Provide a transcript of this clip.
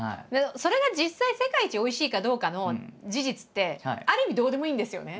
それが実際世界一おいしいかどうかの事実ってある意味どうでもいいんですよね。